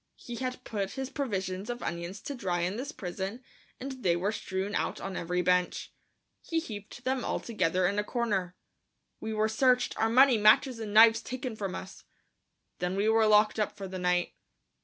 He had put his provision of onions to dry in this prison and they were strewn out on every bench. He heaped them all together in a corner. We were searched, our money, matches and knives taken from us. Then we were locked up for the night.